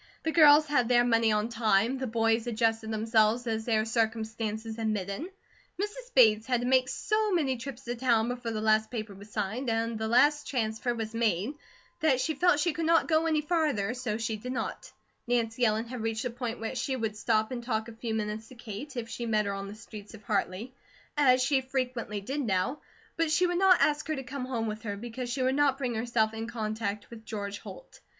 The girls had their money on time, the boys adjusted themselves as their circumstances admitted. Mrs. Bates had to make so many trips to town, before the last paper was signed, and the last transfer was made, that she felt she could not go any farther, so she did not. Nancy Ellen had reached the point where she would stop and talk a few minutes to Kate, if she met her on the streets of Hartley, as she frequently did now; but she would not ask her to come home with her, because she would not bring herself in contact with George Holt.